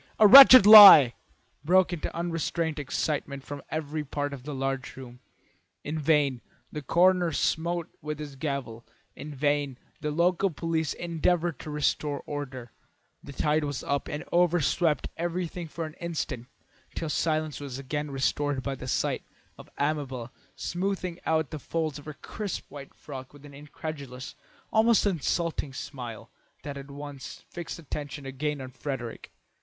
A wretched lie!" broke in unrestrained excitement from every part of the large room. In vain the coroner smote with his gavel, in vain the local police endeavoured to restore order; the tide was up and over swept everything for an instant till silence was suddenly restored by the sight of Amabel smoothing out the folds of her crisp white frock with an incredulous, almost insulting, smile that at once fixed attention again on Frederick.